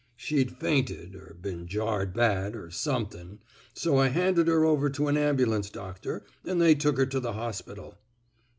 She'd fainted — er been jarred bad — er somethin', so I handed her over to an ambulance doctor, an' they took her to the hospital."